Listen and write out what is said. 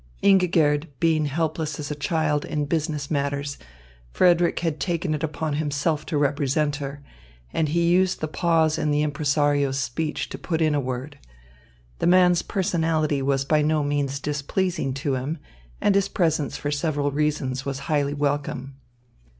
Ingigerd being helpless as a child in business matters, Frederick had taken it upon himself to represent her, and he used the pause in the impresario's speech to put in a word. The man's personality was by no means displeasing to him, and his presence for several reasons was highly welcome.